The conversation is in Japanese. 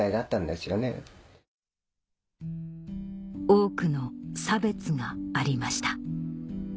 多くの差別がありました